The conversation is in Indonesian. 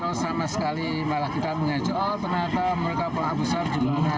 tidak perlu sama sekali malah kita mengajol penata mereka pengabusan juga penata